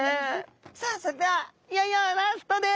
さあそれではいよいよラストです。